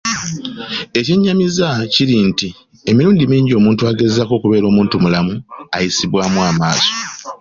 Ekyennyamiza kiri nti emirundi mingi omuntu agezaako okubeera omuntumulamu ayisibwamu amaaso.